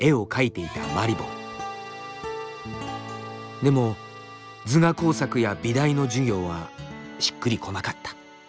でも図画工作や美大の授業はしっくりこなかった。